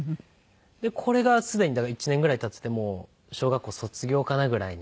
これがすでに１年ぐらい経っててもう小学校卒業かなぐらいに。